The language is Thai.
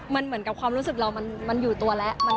มันเหมือนกับความรู้สึกเรามันอยู่ตัวแล้ว